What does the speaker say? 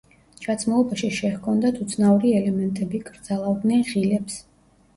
ჩაცმულობაში შეჰქონდათ უცნაური ელემენტები, კრძალავდნენ ღილებს.